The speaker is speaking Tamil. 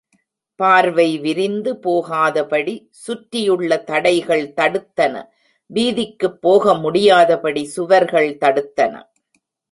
பார்வை விரிந்து போகாதபடி சுற்றியுள்ள தடைகள் தடுத்தன வீதிக்குப் போகமுடியாதபடி சுவர்கள் தடுத்தன.